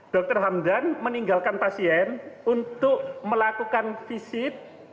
dr hamdan meninggalkan pasien untuk melakukan visit